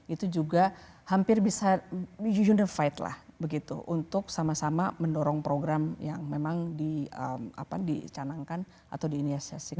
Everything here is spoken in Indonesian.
itu juga hampir bisa unified lah begitu untuk sama sama mendorong program yang memang dicanangkan atau diinisiasikan